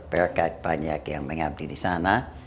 berkat banyak yang mengabdi di sana